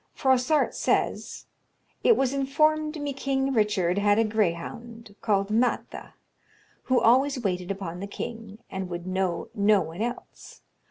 Froissart says, "It was informed me Kynge Richard had a grayhounde, called Mathe, who always waited upon the kynge, and would know no one else.